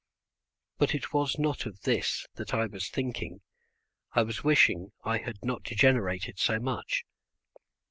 But it was not of this that I was thinking. I was wishing I had not degenerated so much.